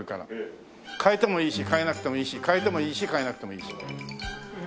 換えてもいいし換えなくてもいいし換えてもいいし換えなくてもいいし。